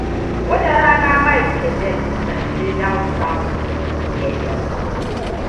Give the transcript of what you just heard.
Wata rana Mike da Jane kan je downtown domin siyayya.